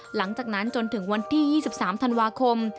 หลังจากนั้นจนถึงวันที่๒๓ธันวาคม